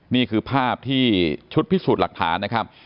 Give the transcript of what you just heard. นี่คือภาพที่ชุดพิสูจน์หลักฐานนะครับ